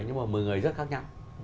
nhưng mà một mươi người rất khác nhau